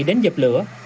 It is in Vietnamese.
đến dập lửa